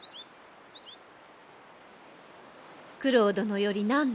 九郎殿より何と？